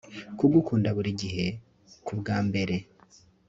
kugukunda buri gihe kubwa mbere